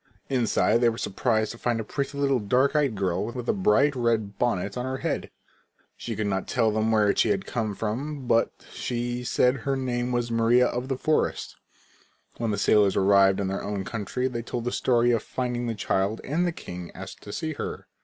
Inside they were surprised to find a pretty little dark eyed girl with a bright red bonnet on her head. She could not tell them where she had come from but she said her name was Maria of the forest. When the sailors arrived in their own country they told the story of finding the child and the king asked to see her.